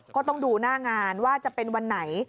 ก็ต้องดูหน้างานว่าจะเป็นวันไหน